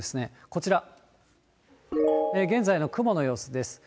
こちら、現在の雲の様子です。